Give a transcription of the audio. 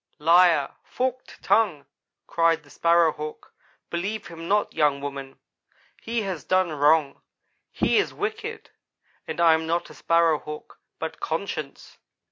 "'Liar forked tongue,' cried the Sparrow hawk. 'Believe him not, young woman. He has done wrong. He is wicked and I am not a Sparrow hawk, but conscience.